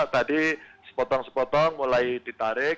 tadi sepotong sepotong mulai ditarik